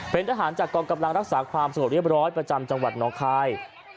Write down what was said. เป็นทหารจากกองกำลังรักษาความสงบเรียบร้อยประจำจังหวัดน้องคาย